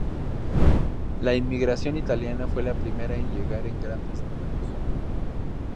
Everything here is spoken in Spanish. La inmigración italiana fue la primera en llegar en grandes números.